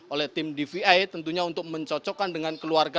oleh tim dvi tentunya untuk mencocokkan dengan keluarga